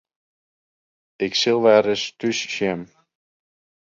Ik sil wer ris thús sjen.